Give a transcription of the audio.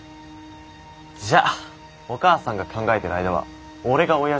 じゃあお母さんが考えてる間は俺が親父のこと見てるよ。